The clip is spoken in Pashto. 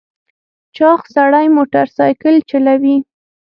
چاغ سړی موټر سایکل چلوي .